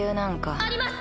あります！